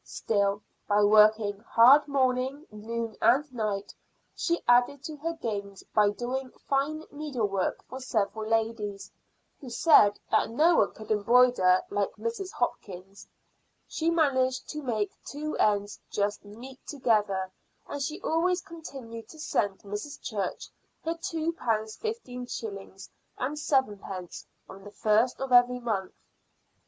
Still, by working hard morning, noon, and night she added to her gains by doing fine needlework for several ladies, who said that no one could embroider like Mrs. Hopkins she managed to make two ends just meet together, and she always continued to send Mrs. Church her two pounds fifteen shillings and sevenpence on the first of every month.